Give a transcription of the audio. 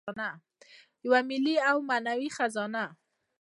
یوه ملي او معنوي خزانه.